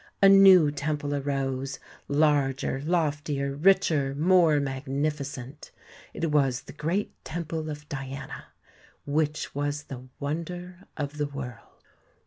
A new temple arose, larger, loftier, richer, more magnificent; it was the great temple of Diana, which was the wonder of the world.